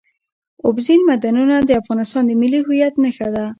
اوبزین معدنونه د افغانستان د ملي هویت نښه ده.